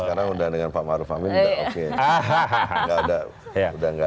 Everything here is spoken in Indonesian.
sekarang udah dengan pak ma'ruf amin udah oke